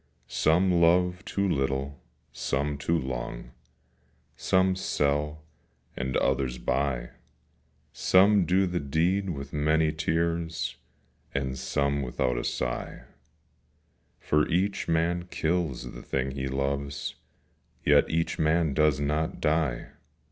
Some love too little, some too long, Some sell, and others buy; Some do the deed with many tears, And some without a sigh: For each man kills the thing he loves, Yet each man does not die.